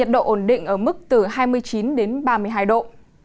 độ ổn định ở mức từ hai mươi chín đến ba mươi hai độ